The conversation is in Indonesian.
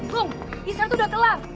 gung istirahat tuh udah kelar